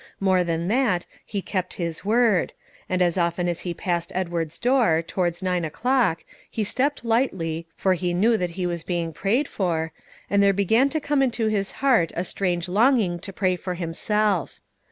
More than that, he kept his word; and as often as he passed Edward's door, towards nine o'clock, he stepped lightly, for he knew that he was being prayed for, and there began to come into his heart a strange longing to pray for himself.